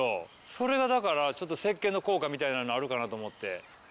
それがだからちょっとせっけんの効果みたいなのあるかなと思って。